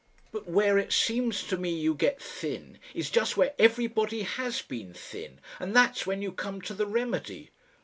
But where it seems to me you get thin, is just where everybody has been thin, and that's when you come to the remedy."